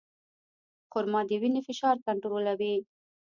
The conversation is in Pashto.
خرما د وینې فشار کنټرولوي.